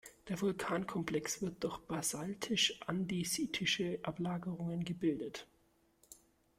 Der Vulkankomplex wird durch basaltisch-andesitische Ablagerungen gebildet.